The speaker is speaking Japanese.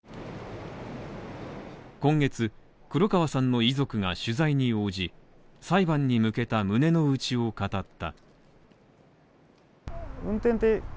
今月、黒川さんの遺族が取材に応じ、裁判に向けた胸の内を語った。